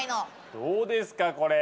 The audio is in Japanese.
どうですかこれ。